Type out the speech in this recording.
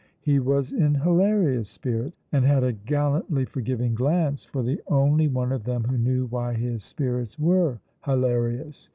He was in hilarious spirits, and had a gallantly forgiving glance for the only one of them who knew why his spirits were hilarious.